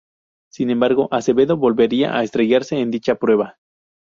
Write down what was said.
Sin embargo, Acevedo volvería a estrellarse en dicha prueba.